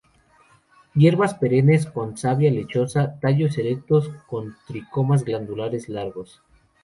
Hierbas perennes con savia lechosa; tallos erectos, con tricomas glandulares largos.